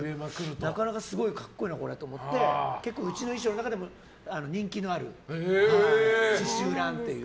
なかなかすごい格好いいなと思って、うちの衣装の中でも人気のある刺しゅうランっていう。